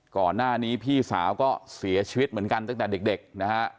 ก่อนหน้านี้พี่สาวก็เสียชีวิตเหมือนกันตั้งแต่เด็กนะฮะ